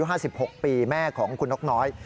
๕๖ปีแม่ของคุณนกน้อย